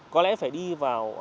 có lẽ phải đi vào